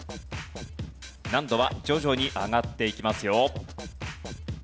難度は徐々に上がっていきますよ。